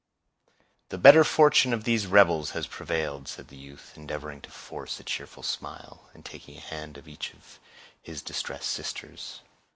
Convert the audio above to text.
"The better fortune of these rebels has prevailed," said the youth, endeavoring to force a cheerful smile, and taking a hand of each of his distressed sisters.